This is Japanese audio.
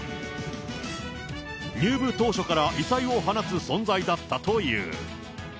入部当初から異彩を放つ存在だったという。